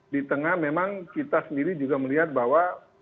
di tengah memang kita sendiri juga melihat bahwa